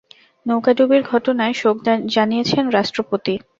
নৌকাডুবির ঘটনায় শোক জানিয়েছেন রাষ্ট্রপতি।